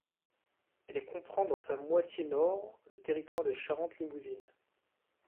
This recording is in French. Elle comprend dans sa moitié nord le territoire de Charente limousine.